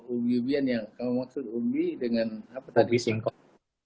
ubi ubian yang kamu maksud ubi dengan singkong